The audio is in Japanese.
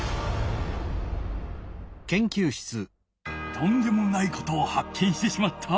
とんでもないことをはっけんしてしまった！